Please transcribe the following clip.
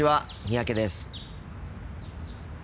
三宅です。